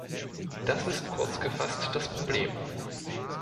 Das ist kurz gefasst das Problem.